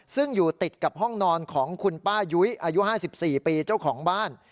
ซึ่งอยู่ติดกับห้องนอนของคุณป้ายุ้ยอายุ๕๔ปีเจ้าของบ้าน